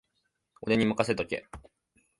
俺にまかせとけ